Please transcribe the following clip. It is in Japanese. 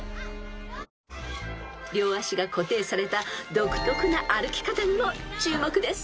［両足が固定された独特な歩き方にも注目です］